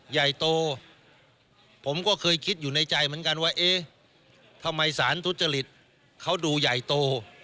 ใหญ่โตผมก็เคยคิดอยู่ในใจเหมือนกันว่าเอ๊ะทำไมสารทุจริตเขาดูใหญ่โต